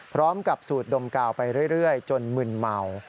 พร้อมกับสูตรดมกล่าวไปเรื่อยจนหมึนเหมา